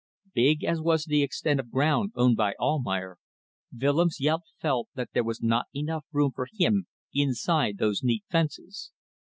Big as was the extent of ground owned by Almayer, Willems yet felt that there was not enough room for him inside those neat fences.